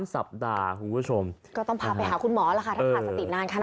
สัปดาห์คุณผู้ชมก็ต้องพาไปหาคุณหมอล่ะค่ะถ้าขาดสตินานขนาด